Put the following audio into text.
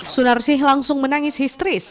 sunarsih langsung menangis histeris